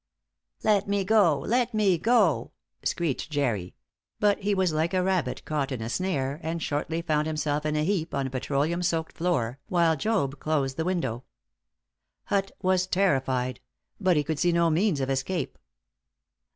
"Let me go let me go!" screeched Jerry; but he was like a rabbit caught in a snare, and shortly found himself in a heap on a petroleum soaked floor, while Job closed the window, Hutt was terrified; but he could see no means of escape.